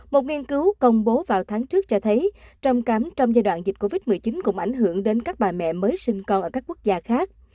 một nghiên cứu công bố vào tháng trước cho thấy trầm cắm trong giai đoạn dịch covid một mươi chín cũng ảnh hưởng đến các bà mẹ mới sinh con ở các quốc gia khác